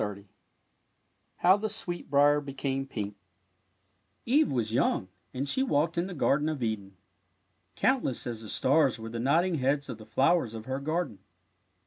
I ^ HOW THE SWEETBRIER BECAME PINK Eve was young, and she walked in the Gar den of Eden. Countless as the stars were the nodding heads of the flowers of her garden.